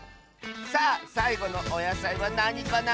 さあさいごのおやさいはなにかな？